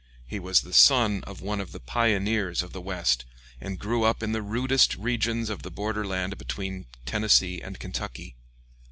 He was the son of one of the pioneers of the West, and grew up in the rudest regions of the border land between Tennessee and Kentucky.